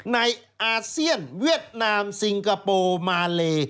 อาเซียนเวียดนามซิงคโปร์มาเล